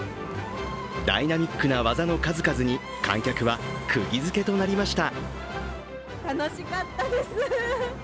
ダイナミックな技の数々に観客はくぎづけとなりました。